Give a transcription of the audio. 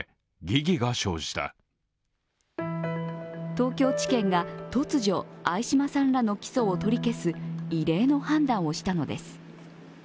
東京地検が突如、相嶋さんらの起訴を取り消す異例の判断をしたのです。